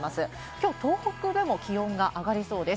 今日、東北でも気温が上がりそうです。